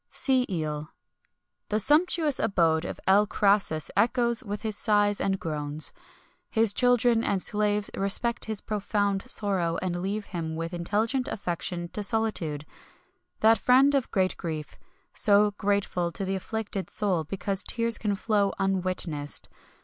SEA EEL. The sumptuous abode of L. Crassus echoes with his sighs and groans. His children and slaves respect his profound sorrow, and leave him with intelligent affection to solitude that friend of great grief; so grateful to the afflicted soul, because tears can flow unwitnessed.